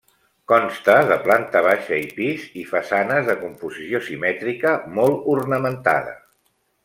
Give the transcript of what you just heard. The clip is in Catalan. Consta de planta baixa i pis i façanes de composició simètrica, molt ornamentada.